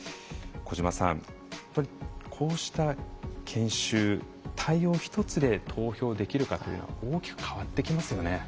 小島さん、こうした研修対応一つで投票できるかというのは大きく変わってきますよね。